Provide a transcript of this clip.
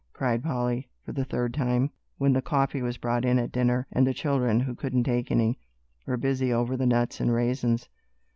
cried Polly, for the third time, when the coffee was brought in at dinner, and the children, who couldn't take any, were busy over the nuts and raisins.